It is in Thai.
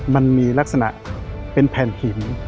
มันมีลักษณะเป็นแผ่นหิน